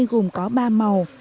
gồm có ba màu